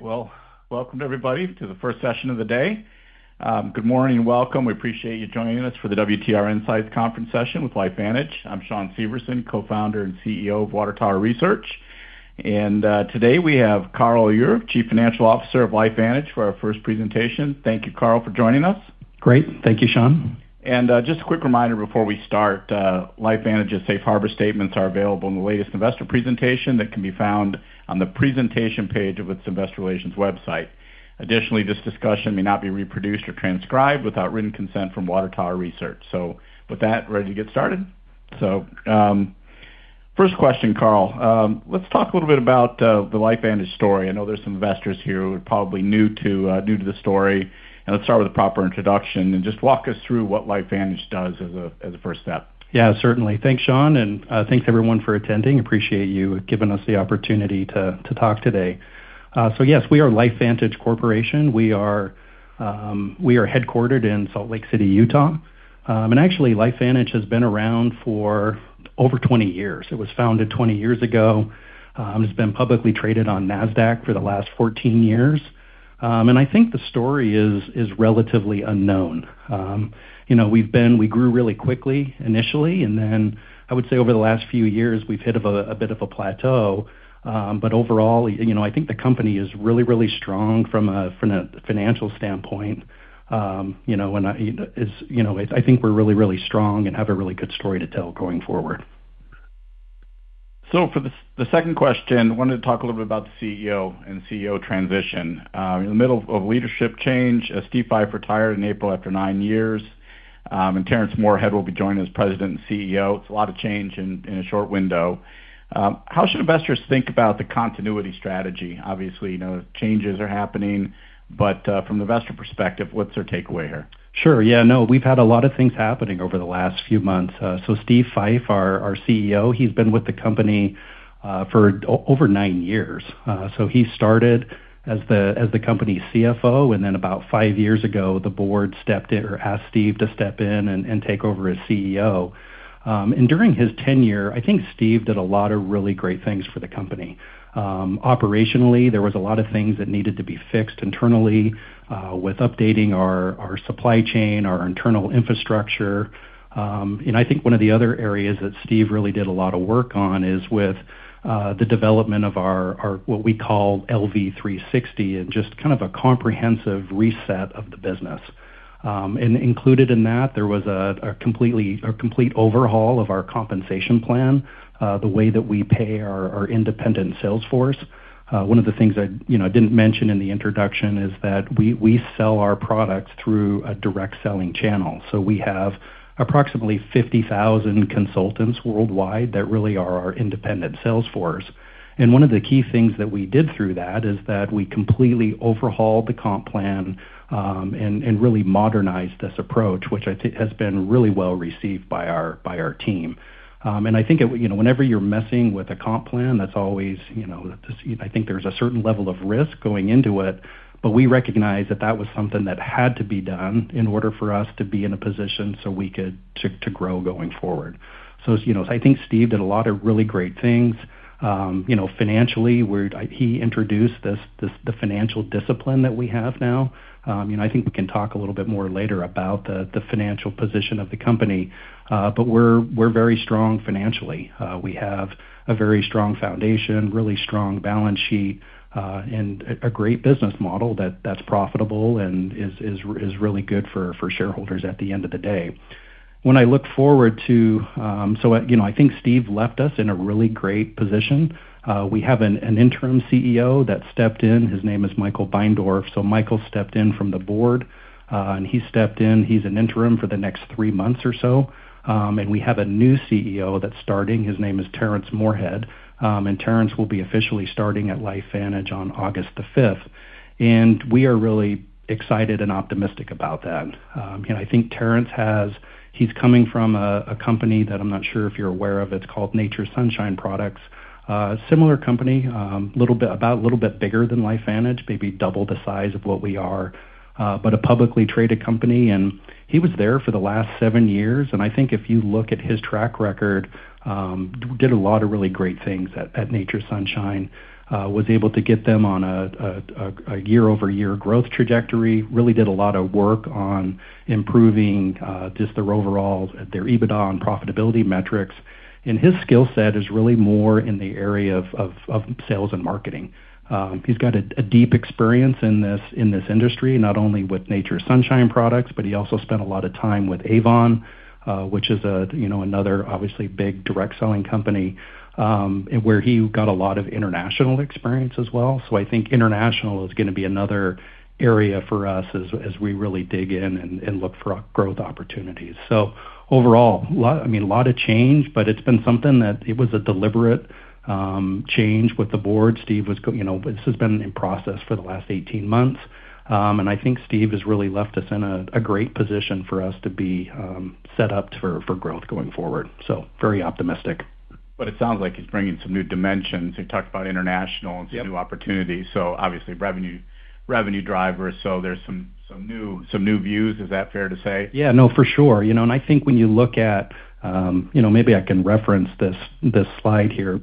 Well, welcome everybody to the first session of the day. Good morning, and welcome. We appreciate you joining us for the WTR Insights conference session with LifeVantage. I'm Shawn Severson, Co-Founder and CEO of Water Tower Research. Today we have Carl Aure, Chief Financial Officer of LifeVantage, for our first presentation. Thank you, Carl, for joining us. Great. Thank you, Shawn. Just a quick reminder before we start, LifeVantage's safe harbor statements are available in the latest investor presentation that can be found on the presentation page of its investor relations website. Additionally, this discussion may not be reproduced or transcribed without written consent from Water Tower Research. With that, ready to get started. First question, Carl. Let's talk a little bit about the LifeVantage story. I know there's some investors here who are probably new to the story, and let's start with a proper introduction, and just walk us through what LifeVantage does as a first step. Yeah, certainly. Thanks, Shawn, and thanks everyone for attending. Appreciate you giving us the opportunity to talk today. Yes, we are LifeVantage Corporation. We are headquartered in Salt Lake City, Utah. Actually, LifeVantage has been around for over 20 years. It was founded 20 years ago. It's been publicly traded on Nasdaq for the last 14 years. I think the story is relatively unknown. We grew really quickly initially, and then I would say over the last few years, we've hit a bit of a plateau. Overall, I think the company is really, really strong from a financial standpoint. I think we're really, really strong and have a really good story to tell going forward. For the second question, wanted to talk a little bit about the CEO and CEO transition. In the middle of leadership change, as Steve Fife retired in April after nine years, and Terrence Moorehead will be joining as President and CEO. It's a lot of change in a short window. How should investors think about the continuity strategy? Obviously, changes are happening, but from the investor perspective, what's their takeaway here? Sure. Yeah, no. We've had a lot of things happening over the last few months. Steve Fife, our CEO, he's been with the company for over nine years. He started as the company's CFO, then about five years ago, the board asked Steve to step in and take over as CEO. During his tenure, I think Steve did a lot of really great things for the company. Operationally, there was a lot of things that needed to be fixed internally, with updating our supply chain, our internal infrastructure. I think one of the other areas that Steve really did a lot of work on is with the development of our what we call LV360, just kind of a comprehensive reset of the business. Included in that, there was a complete overhaul of our compensation plan, the way that we pay our independent sales force. One of the things I didn't mention in the introduction is that we sell our products through a direct selling channel. We have approximately 50,000 consultants worldwide that really are our independent sales force. One of the key things that we did through that is that we completely overhauled the comp plan, really modernized this approach, which I think has been really well received by our team. I think whenever you're messing with a comp plan, I think there's a certain level of risk going into it, but we recognize that that was something that had to be done in order for us to be in a position so we could to grow going forward. I think Steve did a lot of really great things. Financially, he introduced the financial discipline that we have now. I think we can talk a little bit more later about the financial position of the company. We're very strong financially. We have a very strong foundation, really strong balance sheet, a great business model that's profitable and is really good for shareholders at the end of the day. I think Steve left us in a really great position. We have an interim CEO that stepped in, his name is Michael Beindorff. Michael stepped in from the board. He stepped in, he's an interim for the next three months or so. We have a new CEO that's starting, his name is Terrence Moorehead. Terrence will be officially starting at LifeVantage on August the 5th. We are really excited and optimistic about that. I think Terrence, he's coming from a company that I'm not sure if you're aware of, it's called Nature's Sunshine Products. A similar company, about a little bit bigger than LifeVantage, maybe double the size of what we are. A publicly traded company, and he was there for the last seven years. I think if you look at his track record, did a lot of really great things at Nature's Sunshine. Was able to get them on a year-over-year growth trajectory. Really did a lot of work on improving just their overall EBITDA and profitability metrics. His skill set is really more in the area of sales and marketing. He's got a deep experience in this industry, not only with Nature's Sunshine Products, but he also spent a lot of time with Avon, which is another obviously big direct selling company, and where he got a lot of international experience as well. I think international is going to be another area for us as we really dig in and look for growth opportunities. Overall, a lot of change, but it's been something that it was a deliberate change with the board. This has been in process for the last 18 months. I think Steve has really left us in a great position for us to be set up for growth going forward. Very optimistic. It sounds like he's bringing some new dimensions. He talked about international and some new opportunities, obviously revenue drivers. There's some new views. Is that fair to say? Yeah. No, for sure. I think when you look at, maybe I can reference this slide here,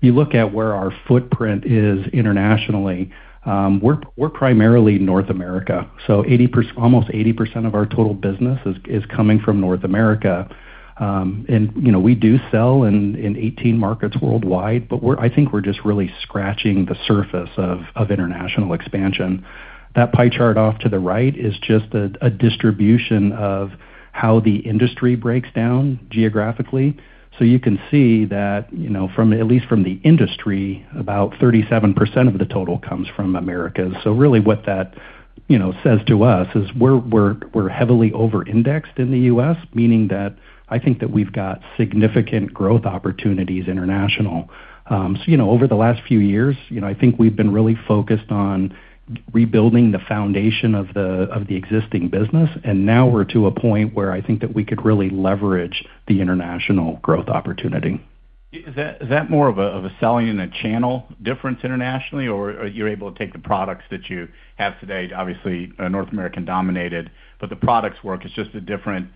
you look at where our footprint is internationally, we're primarily North America. Almost 80% of our total business is coming from North America. We do sell in 18 markets worldwide, but I think we're just really scratching the surface of international expansion. That pie chart off to the right is just a distribution of how the industry breaks down geographically. You can see that, at least from the industry, about 37% of the total comes from America. Really what that says to us is we're heavily over-indexed in the U.S., meaning that I think that we've got significant growth opportunities international. Over the last few years, I think we've been really focused on rebuilding the foundation of the existing business. Now we're to a point where I think that we could really leverage the international growth opportunity. Is that more of a selling in a channel difference internationally, or are you able to take the products that you have today, obviously North American-dominated, but the products work, it's just a different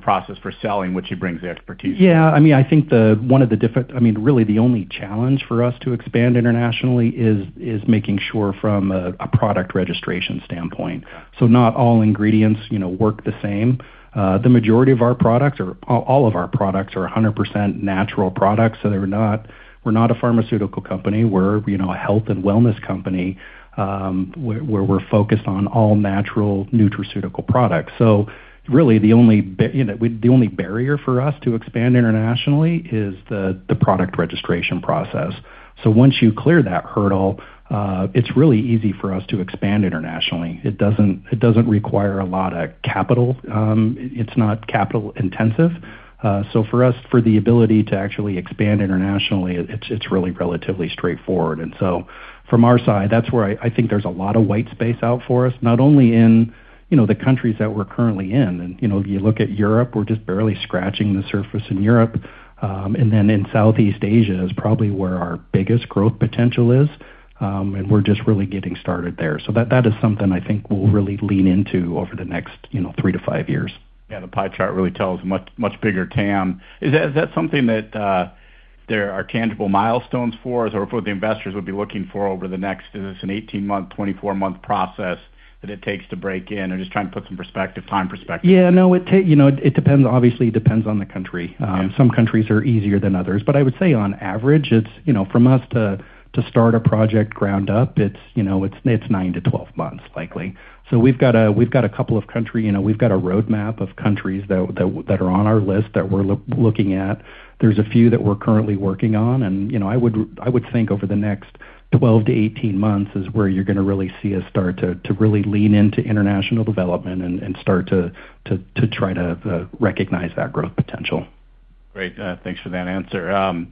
process for selling, which he brings the expertise to? Really the only challenge for us to expand internationally is making sure from a product registration standpoint. Not all ingredients work the same. The majority of our products, or all of our products are 100% natural products, so we're not a pharmaceutical company. We're a health and wellness company, where we're focused on all-natural nutraceutical products. Really the only barrier for us to expand internationally is the product registration process. Once you clear that hurdle, it's really easy for us to expand internationally. It doesn't require a lot of capital. It's not capital-intensive. For us, for the ability to actually expand internationally, it's really relatively straightforward. From our side, that's where I think there's a lot of white space out for us, not only in the countries that we're currently in, and you look at Europe, we're just barely scratching the surface in Europe. In Southeast Asia is probably where our biggest growth potential is, and we're just really getting started there. That is something I think we'll really lean into over the next three to five years. Yeah, the pie chart really tells much bigger TAM. Is that something that there are tangible milestones for, or for the investors would be looking for over the next, is this an 18-month, 24-month process that it takes to break in? I'm just trying to put some perspective, time perspective. Yeah. No, it obviously depends on the country. Yeah. Some countries are easier than others, I would say on average, from us to start a project ground up, it's nine to 12 months likely. We've got a roadmap of countries that are on our list that we're looking at. There's a few that we're currently working on, I would think over the next 12-18 months is where you're going to really see us start to really lean into international development and start to try to recognize that growth potential. Great. Thanks for that answer.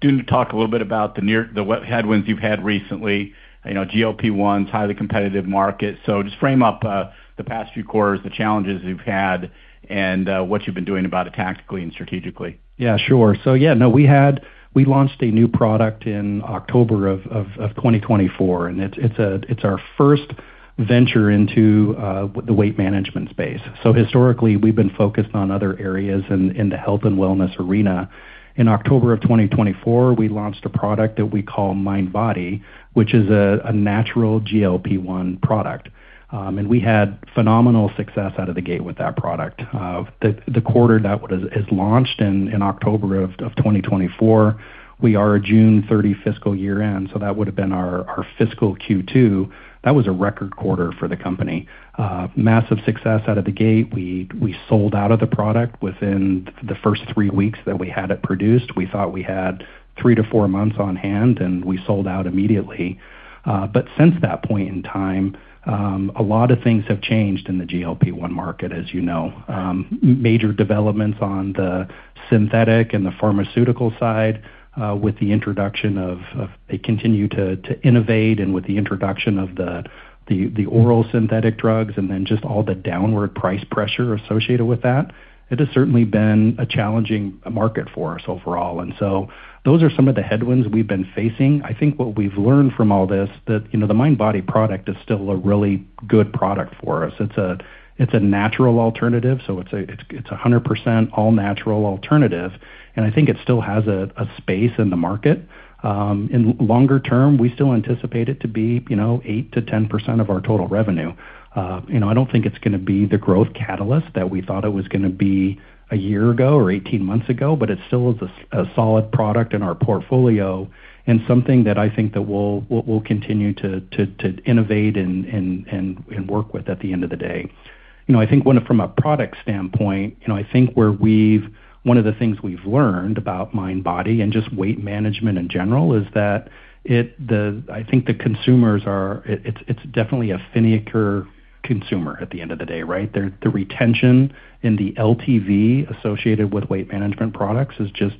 Do talk a little bit about the headwinds you've had recently. GLP-1's a highly competitive market, just frame up the past few quarters, the challenges you've had, and what you've been doing about it tactically and strategically. We launched a new product in October of 2024, and it's our first venture into the weight management space. Historically, we've been focused on other areas in the health and wellness arena. In October of 2024, we launched a product that we call MindBody, which is a natural GLP-1 product. We had phenomenal success out of the gate with that product. The quarter that was launched in October of 2024, we are a June 30 fiscal year end, that would've been our fiscal Q2. That was a record quarter for the company. Massive success out of the gate. We sold out of the product within the first three weeks that we had it produced. We thought we had three to four months on-hand, and we sold out immediately. Since that point in time, a lot of things have changed in the GLP-1 market, as you know. Right. Major developments on the synthetic and the pharmaceutical side, they continue to innovate, with the introduction of the oral synthetic drugs, just all the downward price pressure associated with that. It has certainly been a challenging market for us overall, those are some of the headwinds we've been facing. I think what we've learned from all this, that the MindBody product is still a really good product for us. It's a natural alternative, it's 100% all-natural alternative, I think it still has a space in the market. In longer term, we still anticipate it to be 8%-10% of our total revenue. I don't think it's going to be the growth catalyst that we thought it was going to be a year ago or 18 months ago, it still is a solid product in our portfolio something that I think that we'll continue to innovate and work with at the end of the day. From a product standpoint, I think one of the things we've learned about MindBody and just weight management in general is that I think the consumer is definitely a finicky consumer at the end of the day, right? The retention in the LTV associated with weight management products is just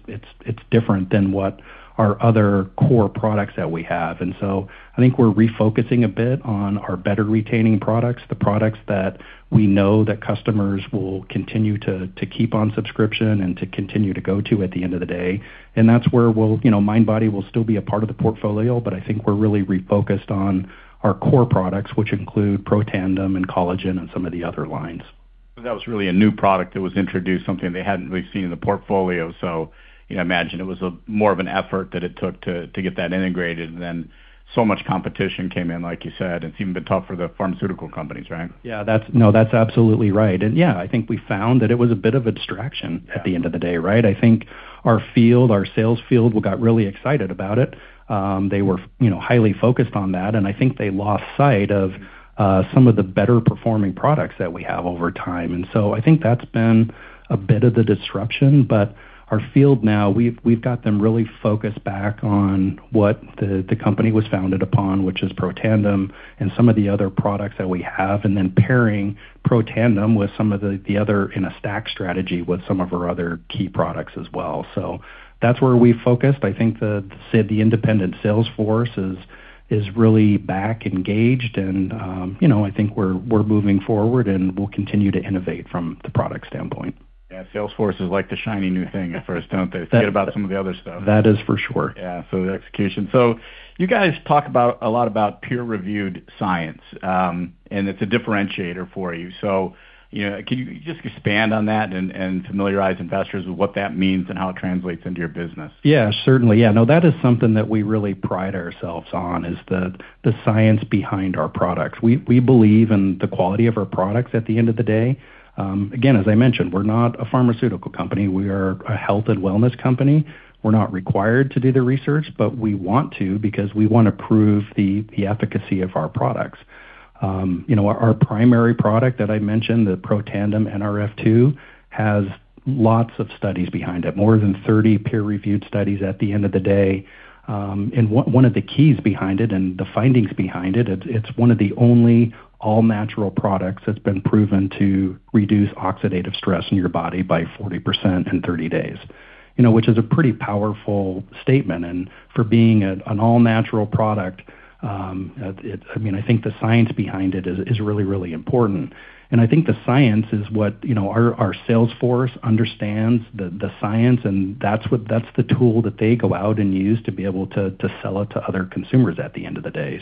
different than what our other core products that we have. I think we're refocusing a bit on our better retaining products, the products that we know that customers will continue to keep on subscription and to continue to go to at the end of the day. That's where MindBody will still be a part of the portfolio, but I think we're really refocused on our core products, which include Protandim and collagen and some of the other lines. That was really a new product that was introduced, something they hadn't really seen in the portfolio. You imagine it was more of an effort that it took to get that integrated. So much competition came in, like you said, it's even been tough for the pharmaceutical companies, right? Yeah. No, that's absolutely right. Yeah, I think we found that it was a bit of a distraction at the end of the day, right? I think our field, our sales field, got really excited about it. They were highly focused on that, and I think they lost sight of some of the better-performing products that we have over time. I think that's been a bit of the disruption. Our field now, we've got them really focused back on what the company was founded upon, which is Protandim, and some of the other products that we have. Pairing Protandim with some of the other, in a stack strategy, with some of our other key products as well. That's where we focused. I think the independent sales force is really back engaged. I think we're moving forward. We'll continue to innovate from the product standpoint. Salesforce is like the shiny new thing at first, don't they? Forget about some of the other stuff. That is for sure. The execution. You guys talk a lot about peer-reviewed science, and it's a differentiator for you. Can you just expand on that and familiarize investors with what that means and how it translates into your business? Certainly. Yeah, no, that is something that we really pride ourselves on, is the science behind our products. We believe in the quality of our products at the end of the day. Again, as I mentioned, we're not a pharmaceutical company. We are a health and wellness company. We're not required to do the research, but we want to because we want to prove the efficacy of our products. Our primary product that I mentioned, the Protandim Nrf2, has lots of studies behind it, more than 30 peer-reviewed studies at the end of the day. One of the keys behind it, and the findings behind it's one of the only all-natural products that's been proven to reduce oxidative stress in your body by 40% in 30 days. Which is a pretty powerful statement. For being an all-natural product, I think the science behind it is really, really important. I think the science is what our sales force understands, the science, and that's the tool that they go out and use to be able to sell it to other consumers at the end of the day.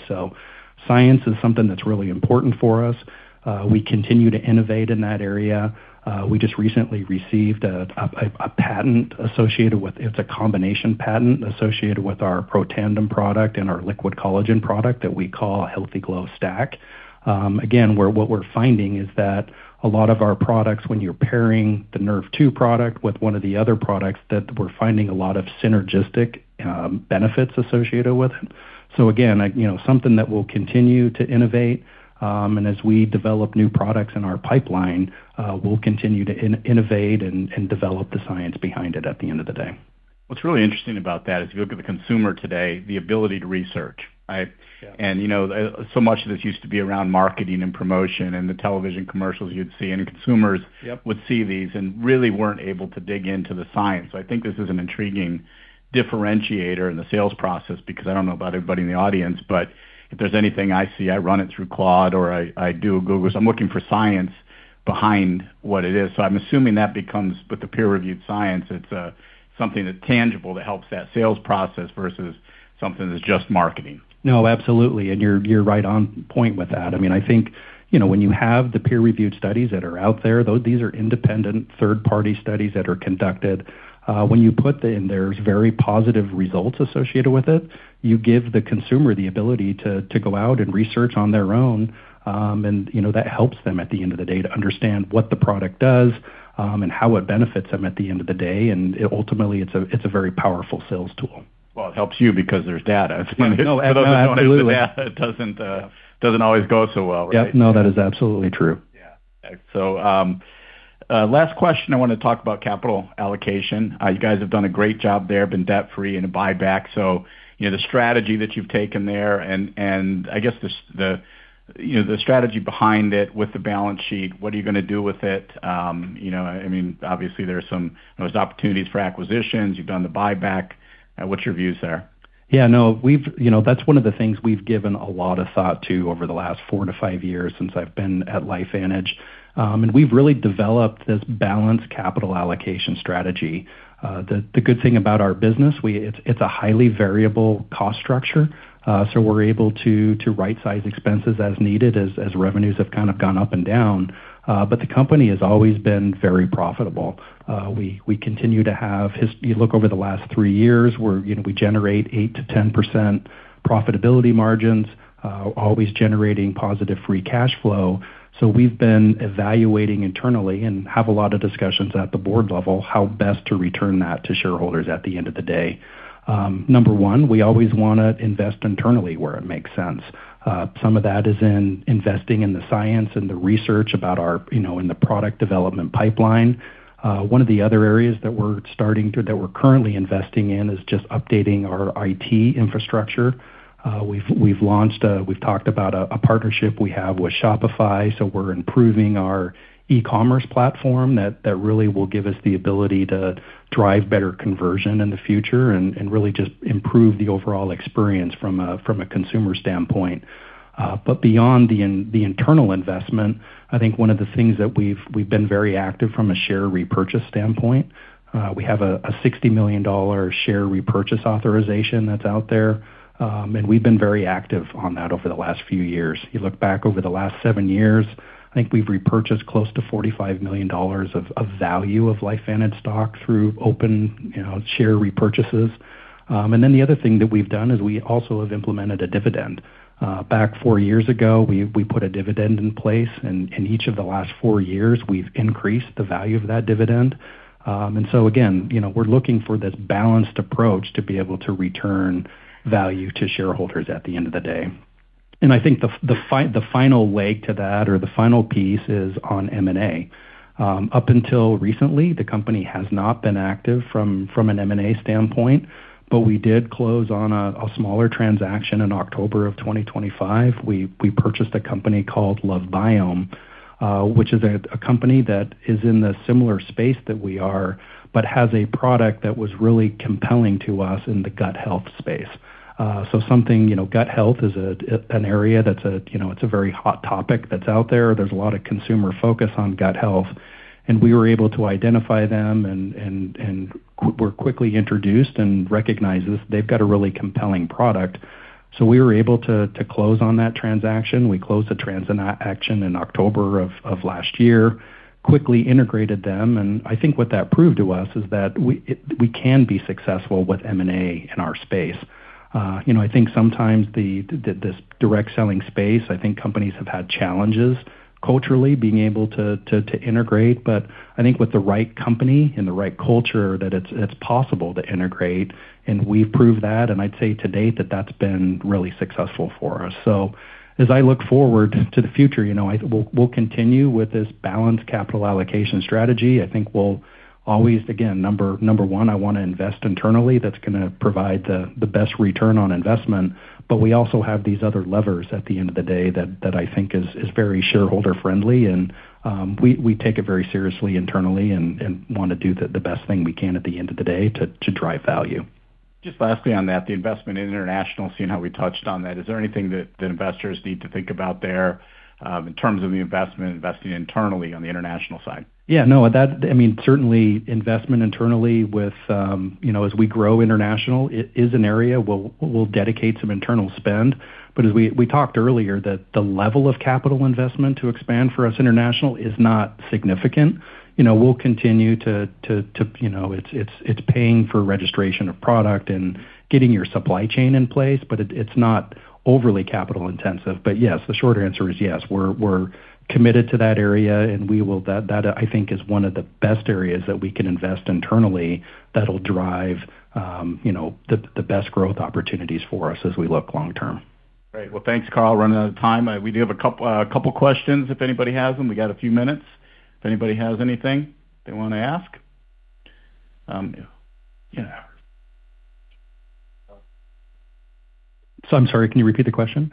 Science is something that's really important for us. We continue to innovate in that area. We just recently received a patent associated with, it's a combination patent associated with our Protandim product and our liquid collagen product that we call Healthy Glow Stack. Again, what we're finding is that a lot of our products, when you're pairing the Nrf2 product with one of the other products, that we're finding a lot of synergistic benefits associated with it. Again, something that we'll continue to innovate, and as we develop new products in our pipeline, we'll continue to innovate and develop the science behind it at the end of the day. What's really interesting about that is if you look at the consumer today, the ability to research, right? Yeah. So much of this used to be around marketing and promotion and the television commercials you'd see, and consumers. Yep Would see these and really weren't able to dig into the science. I think this is an intriguing differentiator in the sales process because I don't know about everybody in the audience, but if there's anything I see, I run it through Claude or I do a Google search. I'm looking for science behind what it is. I'm assuming that becomes, with the peer-reviewed science, it's something that's tangible that helps that sales process versus something that's just marketing. No, absolutely. You're right on point with that. I think, when you have the peer-reviewed studies that are out there, these are independent third-party studies that are conducted. When you put and there's very positive results associated with it, you give the consumer the ability to go out and research on their own. That helps them at the end of the day to understand what the product does, and how it benefits them at the end of the day. Ultimately, it's a very powerful sales tool. Well, it helps you because there's data. No, absolutely. For those that don't have the data, it doesn't always go so well, right? Yeah. That is absolutely true. Yeah. Last question. I want to talk about capital allocation. You guys have done a great job there, been debt-free and a buyback. The strategy that you've taken there and I guess the strategy behind it with the balance sheet, what are you going to do with it? Obviously there's opportunities for acquisitions. You've done the buyback. What's your views there? Yeah. That's one of the things we've given a lot of thought to over the last four to five years since I've been at LifeVantage. We've really developed this balanced capital allocation strategy. The good thing about our business, it's a highly variable cost structure, so we're able to right-size expenses as needed, as revenues have kind of gone up and down. The company has always been very profitable. We continue to have, you look over the last three years, we generate 8%-10% profitability margins, always generating positive free cash flow. We've been evaluating internally and have a lot of discussions at the board level how best to return that to shareholders at the end of the day. Number one, we always want to invest internally where it makes sense. Some of that is in investing in the science and the research in the product development pipeline. One of the other areas that we're currently investing in is just updating our IT infrastructure. We've talked about a partnership we have with Shopify, we're improving our e-commerce platform. That really will give us the ability to drive better conversion in the future and really just improve the overall experience from a consumer standpoint. Beyond the internal investment, I think one of the things that we've been very active from a share repurchase standpoint, we have a $60 million share repurchase authorization that's out there. We've been very active on that over the last few years. You look back over the last seven years, I think we've repurchased close to $45 million of value of LifeVantage stock through open share repurchases. The other thing that we've done is we also have implemented a dividend. Back four years ago, we put a dividend in place, and each of the last four years, we've increased the value of that dividend. Again, we're looking for this balanced approach to be able to return value to shareholders at the end of the day. I think the final leg to that or the final piece is on M&A. Up until recently, the company has not been active from an M&A standpoint, but we did close on a smaller transaction in October of 2025. We purchased a company called LoveBiome, which is a company that is in the similar space that we are, but has a product that was really compelling to us in the gut health space. Gut health is an area that's a very hot topic that's out there. There's a lot of consumer focus on gut health, and we were able to identify them and were quickly introduced and recognized that they've got a really compelling product. We were able to close on that transaction. We closed the transaction in October of last year, quickly integrated them, and I think what that proved to us is that we can be successful with M&A in our space. I think sometimes this direct selling space, I think companies have had challenges culturally being able to integrate. I think with the right company and the right culture, that it's possible to integrate. We've proved that, and I'd say to date that's been really successful for us. As I look forward to the future, we'll continue with this balanced capital allocation strategy. I think we'll always, again, number one, I want to invest internally. That's going to provide the best return on investment. We also have these other levers at the end of the day that I think is very shareholder-friendly, and we take it very seriously internally and want to do the best thing we can at the end of the day to drive value. Just lastly on that, the investment in international, seeing how we touched on that, is there anything that investors need to think about there in terms of the investment, investing internally on the international side? Yeah. No. Certainly investment internally as we grow international is an area we'll dedicate some internal spend. As we talked earlier, that the level of capital investment to expand for us international is not significant. It's paying for registration of product and getting your supply chain in place, it's not overly capital intensive. Yes, the short answer is yes, we're committed to that area, and that I think is one of the best areas that we can invest internally that'll drive the best growth opportunities for us as we look long term. Great. Thanks, Carl. Running out of time. We do have a couple questions if anybody has them. We got a few minutes if anybody has anything they want to ask. I'm sorry, can you repeat the question?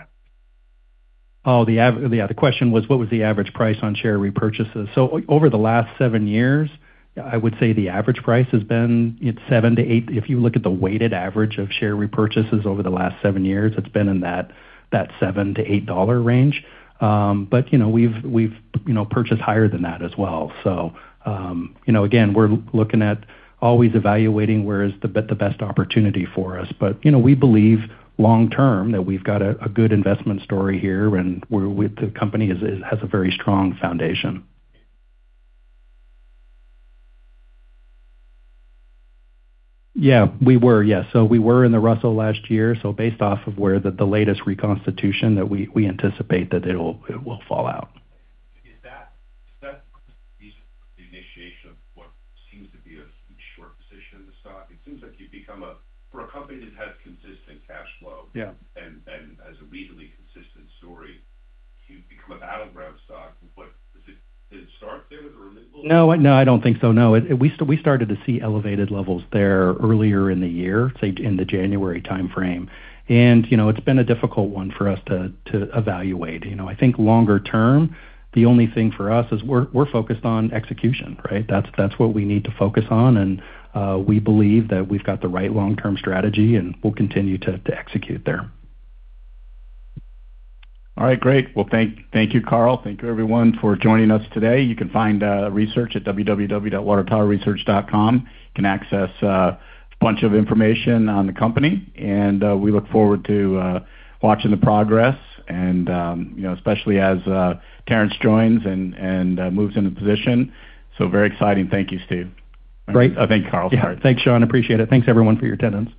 Oh, the question was what was the average price on share repurchases? Over the last seven years, I would say the average price has been $7-$8. If you look at the weighted average of share repurchases over the last seven years, it's been in that $7-$8 range. We've purchased higher than that as well. Again, we're looking at always evaluating where is the best opportunity for us. We believe long term that we've got a good investment story here, and the company has a very strong foundation. Yeah. We were, yeah. We were in the Russell last year. Based off of where the latest reconstitution that we anticipate that it will fall out. Is that the reason for the initiation of what seems to be a short position in the stock? It seems like for a company that has consistent cash flow- Yeah Has a reasonably consistent story, you've become a battleground stock. Did it start there with the removal? No, I don't think so, no. We started to see elevated levels there earlier in the year, say in the January timeframe. It's been a difficult one for us to evaluate. I think longer term, the only thing for us is we're focused on execution, right? That's what we need to focus on, and we believe that we've got the right long-term strategy, and we'll continue to execute there. All right. Great. Well, thank you, Carl. Thank you everyone for joining us today. You can find research at www.watertowerresearch.com. You can access a bunch of information on the company, and we look forward to watching the progress, and especially as Terrence joins and moves into position. Very exciting. Thank you, Carl. Great. I mean Carl, sorry. Yeah. Thanks, Shawn, appreciate it. Thanks everyone for your attendance.